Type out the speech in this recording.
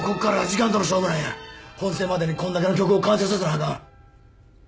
本選までにこんだけの曲を完成させなあかん！